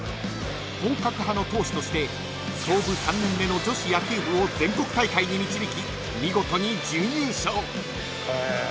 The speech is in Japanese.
［本格派の投手として創部３年目の女子野球部を全国大会に導き見事に準優勝］